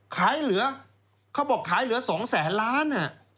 เหลือเขาบอกขายเหลือ๒แสนล้าน